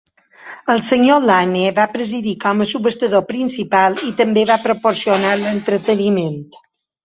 El senyor Lane va presidir com a subhastador principal i també va proporcionar entreteniment.